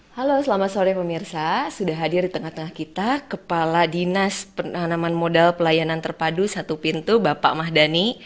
halo selamat sore pemirsa sudah hadir di tengah tengah kita kepala dinas penanaman modal pelayanan terpadu satu pintu bapak mahdani